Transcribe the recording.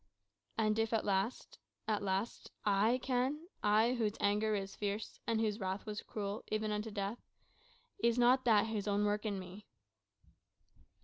"And if at last at last I can, I, whose anger was fierce, and whose wrath was cruel, even unto death, is not that His own work in me?"